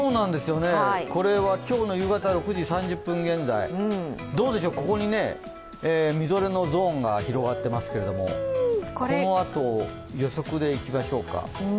これは今日の夕方６時３０分現在、ここにみぞれのゾーンが広がっていますけど、このあと、予測でいきましょうか。